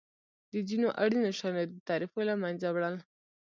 د ځینو اړینو شیانو د تعرفو له مینځه وړل.